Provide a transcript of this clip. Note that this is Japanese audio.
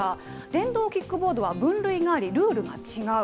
電動キックボードは分類があり、ルールが違う。